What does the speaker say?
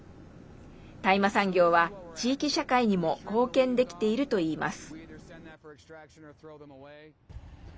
大麻産業は地域社会にも貢献できているといいます。